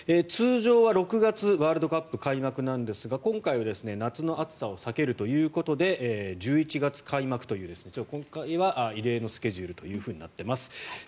通常は６月ワールドカップ開幕ですが今回は夏の暑さを避けるということで１１月開幕という今回は異例のスケジュールとなっています。